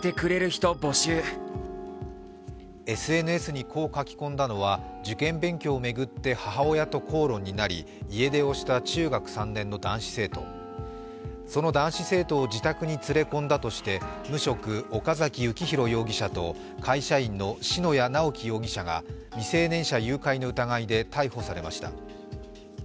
ＳＮＳにこう書き込んだのは受験勉強を巡って、母親と口論になり家出をした中学三年の男子生徒その男子生徒を自宅に連れ込んだとして無職・岡崎幸広容疑者と会社員の篠谷直生容疑者が未成年者誘拐の疑いで逮捕されました。